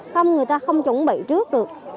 không người ta không chuẩn bị trước được